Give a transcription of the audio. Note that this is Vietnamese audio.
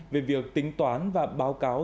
về việc tính toán và báo cáo